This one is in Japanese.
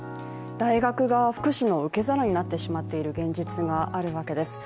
大学側が福祉の受け皿になってしまっている現実があるわけです。